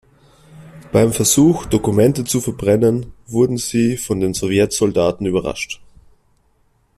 Beim Versuch, Dokumente zu verbrennen, wurden sie von den Sowjet-Soldaten überrascht.